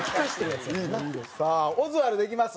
さあオズワルドいきます？